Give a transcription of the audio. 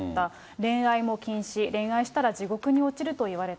恋愛も禁止、恋愛したら地獄に落ちるといわれた。